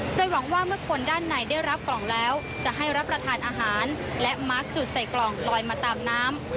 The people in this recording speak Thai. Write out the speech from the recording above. โดยหวังว่าเมื่อคนด้านในได้รับกล่องแล้วจะให้รับประทานอาหารและมาร์คจุดใส่กล่องลอยมาตามน้ำ